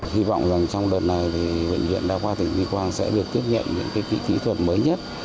hy vọng rằng trong lần này huyện huyện đa qua tỉnh tuyên quang sẽ được tiếp nhận những kỹ thuật mới nhất